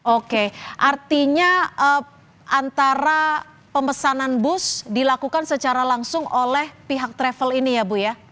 oke artinya antara pemesanan bus dilakukan secara langsung oleh pihak travel ini ya bu ya